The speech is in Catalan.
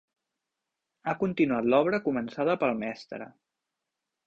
Ha continuat l'obra començada pel mestre.